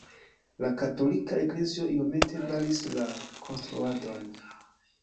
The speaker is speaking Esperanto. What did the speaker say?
La katolika eklezio iomete baris la konstruadon.